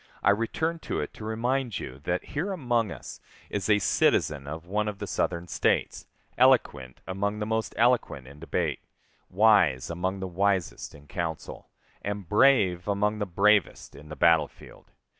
I return to it to remind you that here among us is a citizen of one of the Southern States, eloquent among the most eloquent in debate, wise among the wisest in council, and brave among the bravest in the battle field.